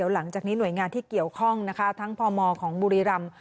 หลังจากนี้หน่วยงานที่เกี่ยวข้องนะคะทั้งพมของบุรีรำ